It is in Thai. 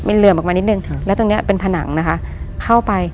เหลื่อมออกมานิดนึงแล้วตรงเนี้ยเป็นผนังนะคะเข้าไป